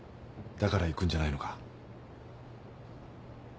だから行くんじゃないのか？